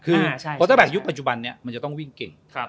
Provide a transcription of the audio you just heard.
เพราะว่าแบบยุคปัจจุบันนี้มันจะต้องวิ่งเก่ง